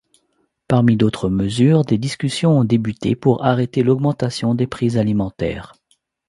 Parmi d'autres mesures, des discussions ont débuté pour arrêter l'augmentation des prix alimentaires.